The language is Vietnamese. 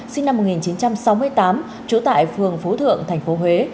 sinh năm một nghìn chín trăm sáu mươi tám trú tại phường phú thượng tp huế